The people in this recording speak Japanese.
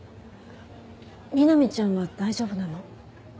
みなみちゃんは大丈夫なの？